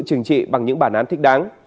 trừng trị bằng những bản án thích đáng